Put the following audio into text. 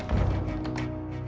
aku harus melayanginya dengan baik